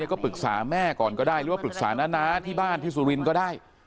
ก็ปรึกษาแม่ก่อนก็ได้หรือว่าปรึกษาน้าที่บ้านที่สุรินทร์ก็ได้